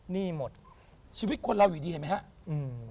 หนี้หมดชีวิตคนเราอยู่ดีเห็นไหมครับ